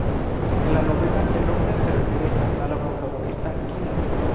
En la novela, el nombre se refiere a la protagonista, Quina.